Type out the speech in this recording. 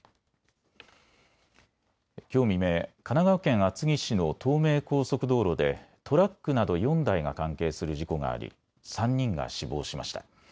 きょう未明、神奈川県厚木市の東名高速道路でトラックなど４台が関係する事故があり３人が死亡しました。